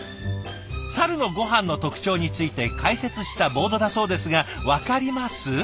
サルのごはんの特徴について解説したボードだそうですが分かります？